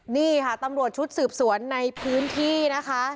นี่ค่ะตำรวจชุดสืบสวนในพื้นที่นะคะ